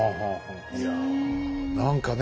いや何かね